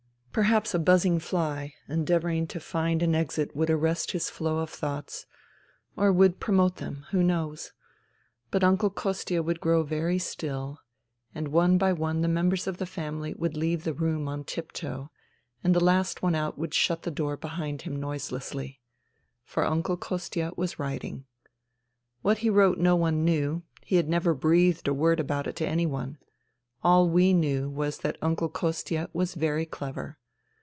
Perhaps a buzzing fly endeavouring to find an exit would arrest his flow of thoughts, or would promote them — who knows ?— but Uncle Kostia would grow very still : and one by one the members of the family would leave the room on tiptoe, and the last one out would shut the door behind him noiselessly. For Uncle Kostia was writing. What he wrote no one knew ; he had never breathed a word about it to anyone. All we knew was that Uncle Kostia was very clever.